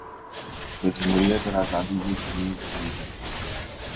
تو جمہوریت اور آزادی کی شمعیں جلائی جاتی تھیں۔